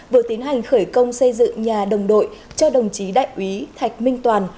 vừa tiến hành khởi công xây dựng nhà đồng đội cho đồng chí đại úy thạch minh toàn